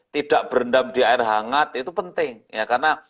tidak berendam di air hangat itu penting ya karena